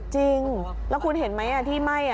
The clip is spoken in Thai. จริงแล้วคุณเห็นไหมที่ไหม้